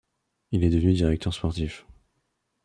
Il est devenu directeur sportif.